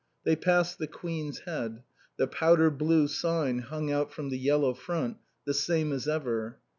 They passed the Queen's Head; the powder blue sign hung out from the yellow front the same as ever.